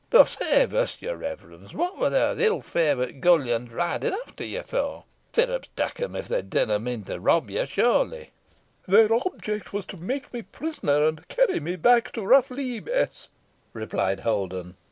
Boh save us, your reverence, what were the ill favort gullions ridin' after ye for? Firrups tak 'em! they didna mean to rob ye, surely?" "Their object was to make me prisoner, and carry me back to Rough Lee, Bess," replied Holden.